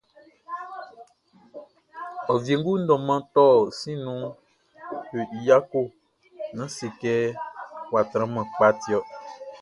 Ô Wiégoun Mʼdôman Torh Siʼn nouh, yo y yako...Nan sékê, wa tranman pka tiorh.